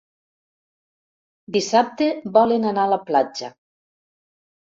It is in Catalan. Dissabte volen anar a la platja.